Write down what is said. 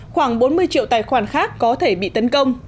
khoảng bốn mươi triệu tài khoản khác có thể bị tấn công